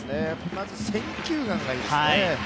まず選球眼がいいですね。